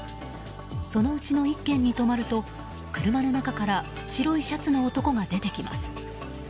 そのうちの１軒に止まると車の中から白いシャツの男が出てきます。